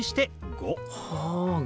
５。